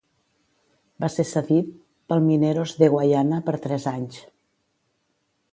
Va ser cedit pel Mineros de Guayana per tres anys.